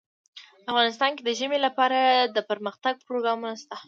افغانستان کې د ژمی لپاره دپرمختیا پروګرامونه شته.